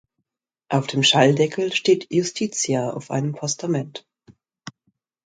Auf dem Schalldeckel steht Justitia auf einem Postament.